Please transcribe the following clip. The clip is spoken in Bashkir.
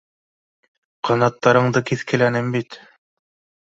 Ҡанаттарыңды киҫкеләнем бит